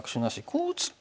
こう打つと。